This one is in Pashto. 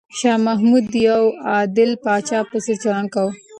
شاه محمود د یو عادل پاچا په څېر چلند کاوه.